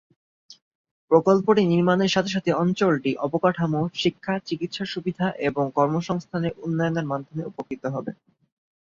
প্রকল্পটি নির্মাণের সাথে সাথে অঞ্চলটি অবকাঠামো, শিক্ষা, চিকিৎসা সুবিধা এবং কর্মসংস্থানের উন্নয়নের মাধ্যমে উপকৃত হবে।